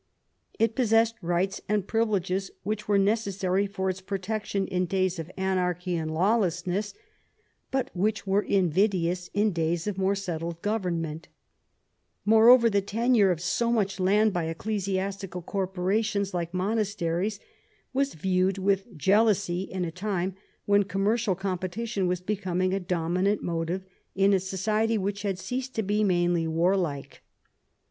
It possessed rights and privileges which were necessary for its protection in days of anarchy and 140 THOMAS WOLSEY chap. lawlessness, but which were invidious in days of more settled government Moreover, the tenure of so much land by ecclesiastical corporations like monasteries, was viewed with jealousy in a time when commercial com petition was becoming a dominant motive in a society which had ceased to be mainly warlike.